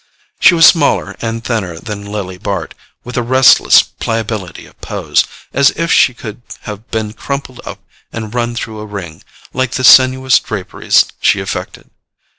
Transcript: She was smaller and thinner than Lily Bart, with a restless pliability of pose, as if she could have been crumpled up and run through a ring, like the sinuous draperies she affected.